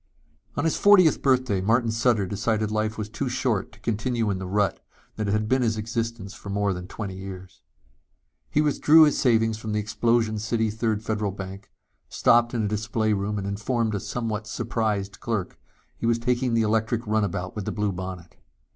On his fortieth birthday Martin Sutter decided life was too short to continue in the rut that had been his existence for more than twenty years. He withdrew his savings from the Explosion City Third Federal Bank, stopped in a display room and informed a somewhat surprised clerk he was taking the electric runabout with the blue bonnet.